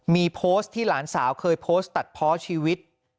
มีโพสต์ที่หลานสาวเคยโพสต์ตัดเพาะชีวิต